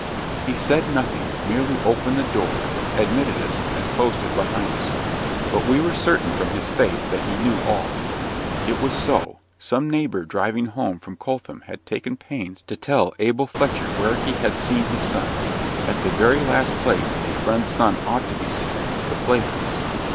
He said nothing; merely opened the door, admitted us, and closed it behind us. But we were certain, from his face, that he knew all. It was so; some neighbour driving home from Coltham had taken pains to tell Abel Fletcher where he had seen his son at the very last place a Friend's son ought to be seen the play house.